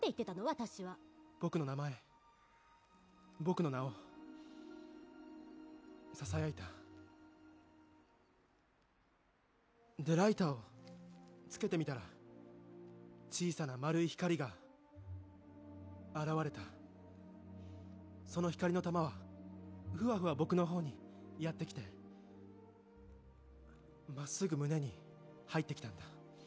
私は僕の名前僕の名をささやいたでライターをつけてみたら小さな丸い光が現れたその光の玉はフワフワ僕の方にやって来て真っすぐ胸に入ってきたんだ